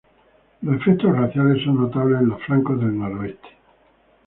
Los efectos glaciales son notables en los flancos del nornoroeste.